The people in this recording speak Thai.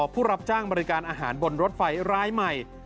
ผู้รับจ้างบริการอาหารบนรถไฟรายใหม่